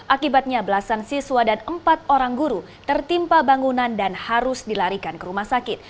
akibatnya belasan siswa dan empat orang guru tertimpa bangunan dan harus dilarikan ke rumah sakit